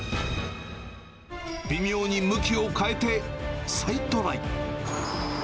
微妙に向きを変えて再トライ。